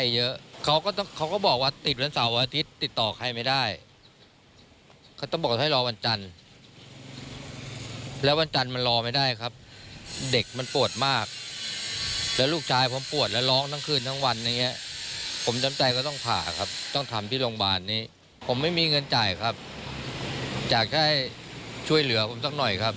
อยากให้ช่วยเหลือกับผมสักหน่อยครับ